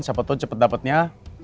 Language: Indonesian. siapa tau cepet dapetnya